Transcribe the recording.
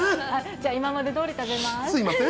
じゃあ、今までどおり食べますみません。